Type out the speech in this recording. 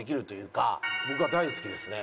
僕は大好きですね。